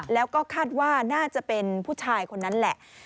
แล้วก็คาดว่าน่าจะเป็นผู้ชายคนนั้นแหละ